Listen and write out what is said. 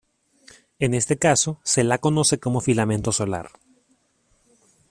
En este caso se la conoce como filamento solar.